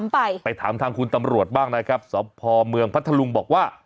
ไปไปถามทางคุณตำรวจบ้างนะครับสพเมืองพัทธลุงบอกว่า